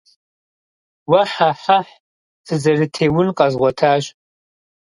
Уэ-хьэ-хьэхь! Сызэрытеун къэзгъуэтащ.